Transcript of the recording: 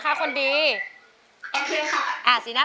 โทรหาคนรู้จัก